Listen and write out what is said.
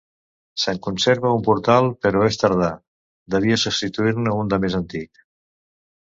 Se'n conserva un portal, però és tardà: devia substituir-ne un de més antic.